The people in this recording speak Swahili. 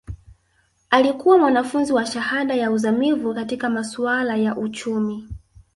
Alikuwa mwanafunzi wa shahada ya uzamivu katika masuala ya uchumi